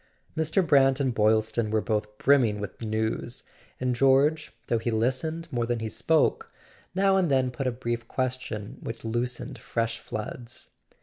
Mr. Brant and Boylston were both brimming with news, and George, though he listened more than he spoke, now and then put a brief question which loosened fresh floods.